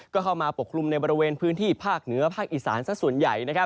ก็เข้ามาปกคลุมในบริเวณพื้นที่ภาคเหนือภาคอีสานสักส่วนใหญ่